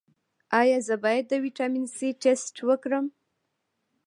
ایا زه باید د ویټامین سي ټسټ وکړم؟